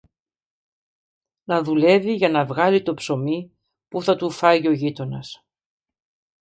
να δουλεύει για να βγάλει το ψωμί που θα του φάγει ο γείτονας.